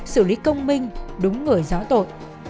xử lý công minh đúng người gió tội